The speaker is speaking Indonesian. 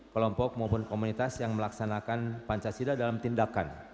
kelompok maupun komunitas yang melaksanakan pancasila dalam tindakan